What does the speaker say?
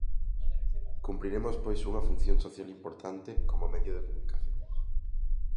Cumpriremos pois unha función social importante, como medio de comunicación.